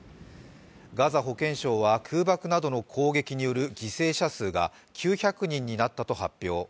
ガザ保健省は空爆などの攻撃による犠牲者数が９００人になったと発表。